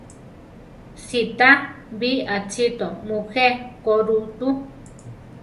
Sitá bi aʼsíto mujé ko ru tú.